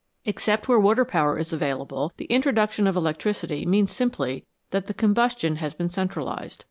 Except where water power is available, the introduction of electricity means simply that the combustion has been centralised.